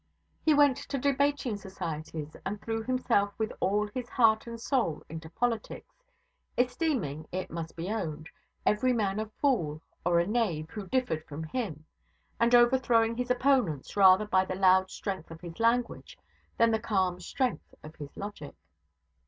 He went to debating societies, and threw himself with all his heart and soul into politics; esteeming, it must be owned, every man a fool or a knave who differed from him, and overthrowing his opponents rather by the loud strength of his language than the calm strength of his logic.